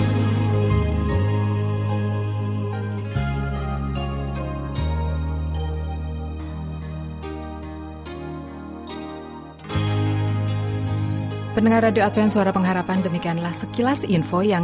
semoga di hari nanti ku dapat merasakannya keselamatan